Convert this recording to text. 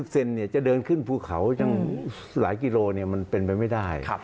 เซนจะเดินขึ้นภูเขาตั้งหลายกิโลมันเป็นไปไม่ได้